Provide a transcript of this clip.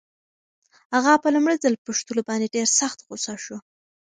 اغا په لومړي ځل پوښتلو باندې ډېر سخت غوسه شو.